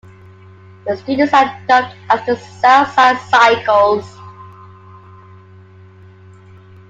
The students are dubbed as the "South Side Psychos".